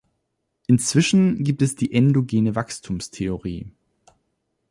Inzwischen gibt es die Endogene Wachstumstheorie.